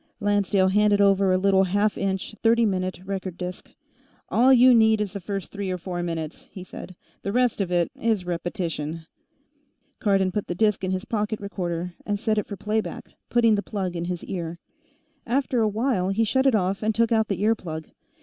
Lancedale handed over a little half inch, thirty minute, record disk. "All you need is the first three or four minutes," he said. "The rest of it is repetition." Cardon put the disk in his pocket recorder and set it for play back, putting the plug in his ear. After a while, he shut it off and took out the ear plug.